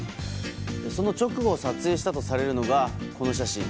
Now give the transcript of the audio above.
その直後を撮影したとされるのがこの写真。